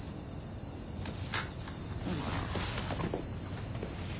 ああ。